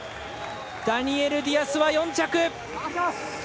ダニエル・ディアスは４着。